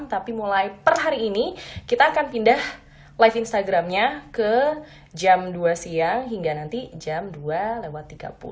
tapi mulai per hari ini kita akan pindah live instagramnya ke jam dua siang hingga nanti jam dua lewat tiga puluh